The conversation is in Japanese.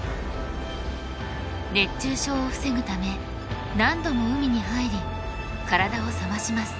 熱中症を防ぐため何度も海に入り体を冷まします。